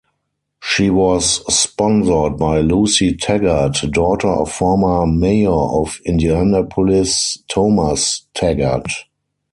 She was sponsored by Lucy Taggart, daughter of former Mayor of Indianapolis Thomas Taggart.